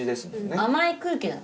甘い空気だよ。